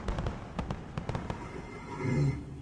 El tallo a menudo púrpura-verde, estriado, glabro.